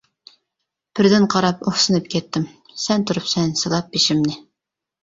بىردىن قاراپ ئۇھسىنىپ كەتتىم، سەن تۇرۇپسەن سىلاپ بېشىمنى.